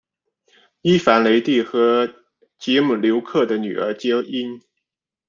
伊凡雷帝和捷姆留克的女儿结姻。